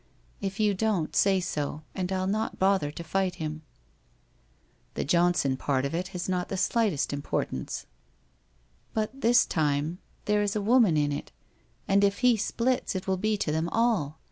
If you don't, say so, and I'll not bother to fight him/ ' The Johnson part of it has not the slightest impor tance/ 'But this time, there is a woman in it, and if he splits it will be to them all.